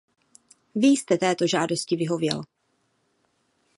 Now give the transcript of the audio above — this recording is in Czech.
Vy jste této žádosti vyhověl.